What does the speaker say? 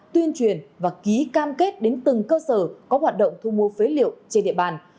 tuyên truyền và ký cam kết đến từng cơ sở có hoạt động thu mua phế liệu trên địa bàn